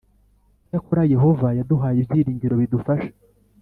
Icyakora Yehova yaduhaye ibyiringiro bidufasha